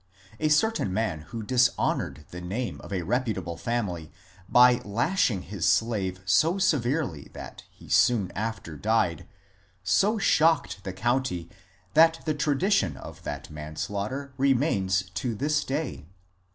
A certain man who dis honoured the name of a reputable family by lashing his slave so severely that he soon after died, so shocked Uie county that the tradition of that manslaughter remains to this day.